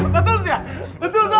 betul ya betul toh